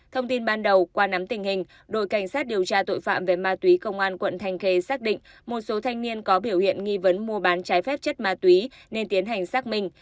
thông tin ban đầu qua nắm tình hình đội cảnh sát điều tra tội phạm về ma túy công an quận thanh khê xác định một số thanh niên có biểu hiện nghi vấn mua bán trái phép chất ma túy nên tiến hành xác minh